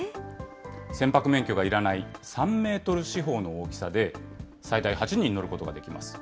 船舶免許がいらない３メートル四方の大きさで、最大８人乗ることができます。